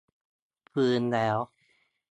ฟื้นแล้ว